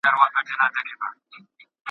موږ یوازې یو ځل ژوند کوو.